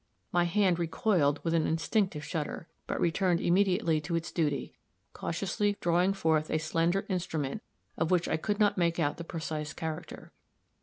My hand recoiled with an instinctive shudder, but returned immediately to its duty, cautiously drawing forth a slender instrument of which I could not make out the precise character.